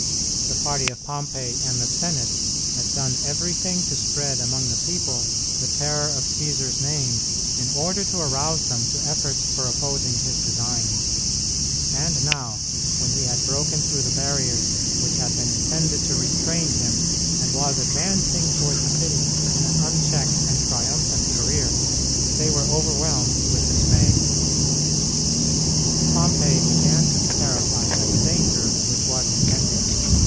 The party of Pompey and the Senate had done everything to spread among the people the terror of Cćsar's name in order to arouse them to efforts for opposing his designs; and now, when he had broken through the barriers which had been intended to restrain him and was advancing toward the city in an unchecked and triumphant career, they were overwhelmed with dismay. Pompey began to be terrified at the danger which was impending.